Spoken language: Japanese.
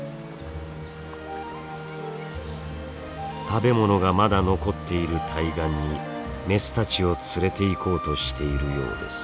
食べ物がまだ残っている対岸にメスたちを連れていこうとしているようです。